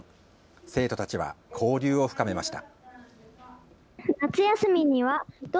生徒たちは交流を深めました。